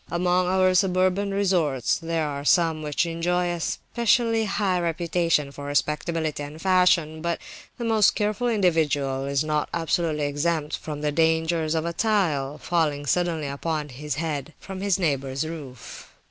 Among our suburban resorts there are some which enjoy a specially high reputation for respectability and fashion; but the most careful individual is not absolutely exempt from the danger of a tile falling suddenly upon his head from his neighbour's roof.